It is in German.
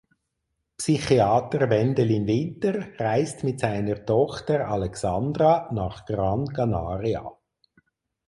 Psychiater Wendelin Winter reist mit seiner Tochter Alexandra nach Gran Canaria.